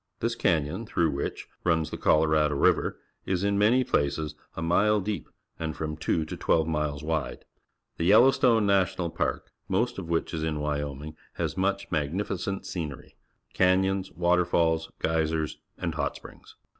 This canj'on, through which runs the Colorado River, is in many places a mile deep and from two to twelve miles wide. The Yellowstone National Park, most of which is in Wyo ming, has much magnificent scenery — can 3^ons, waterfalls, geysers, and hot springs.